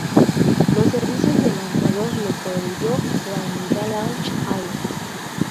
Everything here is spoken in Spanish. Los servicios de lanzador lo proveyó la United Launch Alliance.